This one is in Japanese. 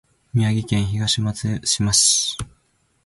宮城県東松島市